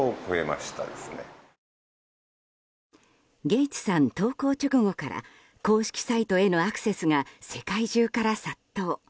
ゲイツさん投稿直後から公式サイトへのアクセスが世界中から殺到。